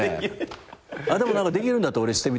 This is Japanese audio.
でもできるんだったら俺してみたいと思う。